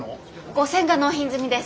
５，０００が納品済みです。